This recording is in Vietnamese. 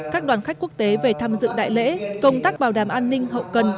các đoàn khách quốc tế về tham dự đại lễ công tác bảo đảm an ninh hậu cần